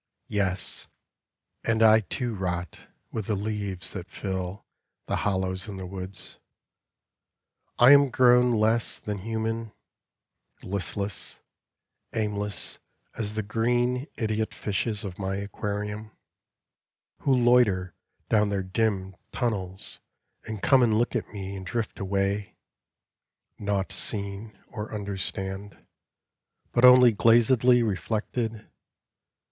Yes, and I too rot with the leaves that fill The hollows in the woods ; I am grown less Than human, listless, aimless as the green Idiot fishes of my aquarium, Who loiter down their dim tunnels and come And look at me and drift away, nought seen Or understand, but only glazedly Reflected.